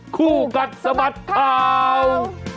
คู่กัดสมัติครับ